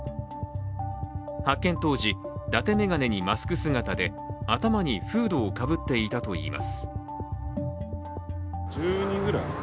発見当時、だて眼鏡にマスク姿で頭にフードをかぶっていたといいます。